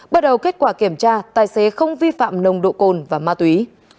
bắt đầu kết quả kiểm tra tài xế không vi phạm nồng độ cồn và ma túy